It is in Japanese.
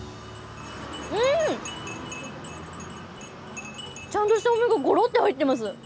うん！ちゃんとしたお芋がゴロッて入ってます。